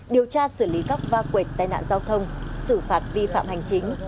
điều tra xử lý các va quệt tai nạn giao thông xử phạt vi phạm hành chính